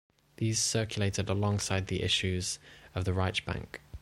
These circulated alongside the issues of the Reichsbank.